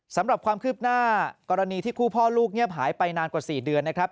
สำหรับความคืบหน้ากรณีที่คู่พ่อลูกเงียบหายไปนานกว่า๔เดือนนะครับ